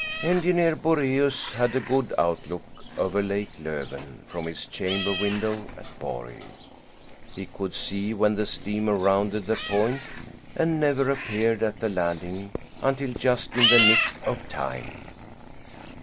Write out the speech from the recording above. Engineer Boraeus had a good outlook over Lake Löven from his chamber window at Borg. He could see when the steamer rounded the point and never appeared at the landing until just in the nick of time.